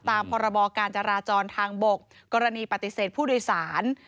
พรบการจราจรทางบกกรณีปฏิเสธผู้โดยสาร